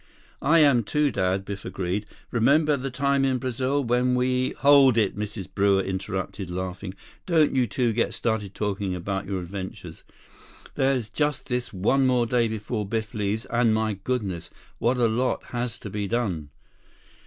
"I am too, Dad," Biff agreed. "Remember the time in Brazil, when we—" "Hold it!" Mrs. Brewster interrupted, laughing. "Don't you two get started talking about your adventures. There's just this one more day before Biff leaves, and my goodness, what a lot has to be done!"